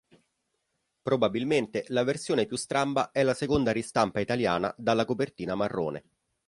Probabilmente la versione più stramba è la seconda ristampa italiana dalla copertina marrone.